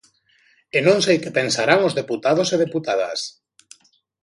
E non sei que pensarán os deputados e deputadas.